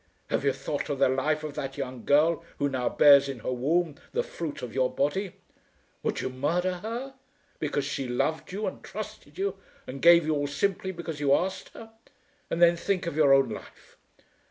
Have you thought of the life of that young girl who now bears in her womb the fruit of your body? Would you murder her, because she loved you, and trusted you, and gave you all simply because you asked her; and then think of your own life?